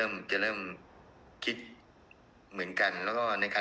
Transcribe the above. เริ่มจะเริ่มคิดเหมือนกันแล้วก็ในการ